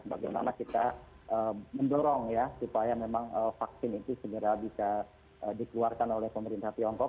bagaimana kita mendorong ya supaya memang vaksin itu segera bisa dikeluarkan oleh pemerintah tiongkok